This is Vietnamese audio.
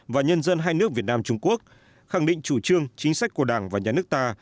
và nhân dân hai nước việt nam trung quốc khẳng định chủ trương chính sách của đảng và nhà nước ta